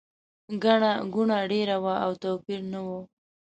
ګڼه ګوڼه ډېره وه او توپیر نه و.